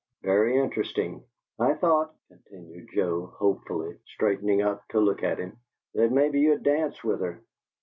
"Very interesting." "I thought," continued Joe, hopefully, straightening up to look at him, "that maybe you'd dance with her.